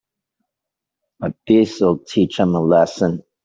But this'll teach them a lesson.